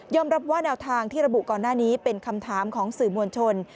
รับว่าแนวทางที่ระบุก่อนหน้านี้เป็นคำถามของสื่อมวลชน